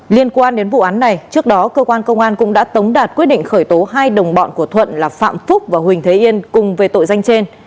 liên quan đến vụ án này trước đó cơ quan công an cũng đã tống đạt quyết định khởi tố hai đồng bọn của thuận là phạm phúc và huỳnh thế yên cùng về tội danh trên